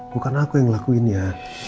bukan aku yang ngelakuin ya